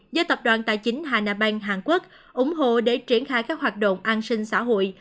do tập đoàn tài chính hanabank hàn quốc ủng hộ để triển khai các hoạt động an sinh xã hội